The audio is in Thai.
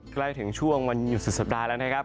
ใกล้ถึงช่วงวันหยุดสุดสัปดาห์แล้วนะครับ